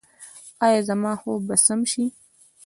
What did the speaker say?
ایا زما خوب به سم شي؟